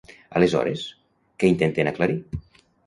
Aleshores, què intenten aclarir?